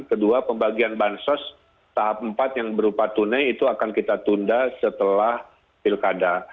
kedua pembagian bansos tahap empat yang berupa tunai itu akan kita tunda setelah pilkada